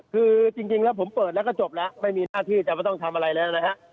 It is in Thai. คือจริงแล้วผมเปิดแล้วก็จบแล้วไม่มีหน้าที่จะไม่ต้องทำอะไรแล้วนะฮะ